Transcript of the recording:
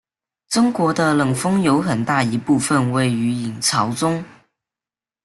中国的冷锋有很大一部分位于隐槽中。